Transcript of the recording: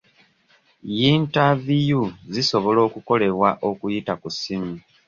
Yintaviyu zisobola okukolebwa okuyita ku ssimu.